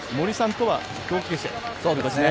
森さんとは同級生。